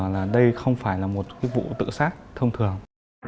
là đây không phải là một cái vụ tự sát thông thường